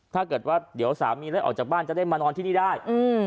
ถ้าเกิดว่าเดี๋ยวสามีได้ออกจากบ้านจะได้มานอนที่นี่ได้